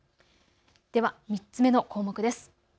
では３つ目の項目です。